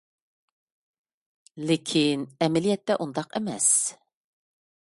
لېكىن، ئەمەلىيەتتە ئۇنداق ئەمەس.